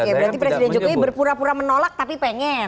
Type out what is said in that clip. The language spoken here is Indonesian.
oke berarti presiden jokowi berpura pura menolak tapi pengen